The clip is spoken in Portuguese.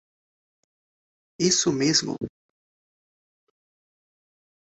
Isso mesmo!